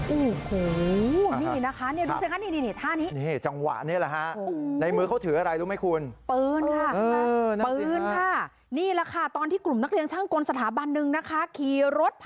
โอ้โหนี่นะคะเนี่ยดูสิคะนี่นี่เนี่ยท่านี้เนี่ยจังหวะเนี่ย